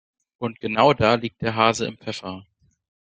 Und genau da liegt der Hase im Pfeffer.